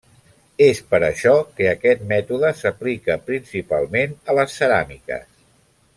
És per això que aquest mètode s'aplica principalment a les ceràmiques.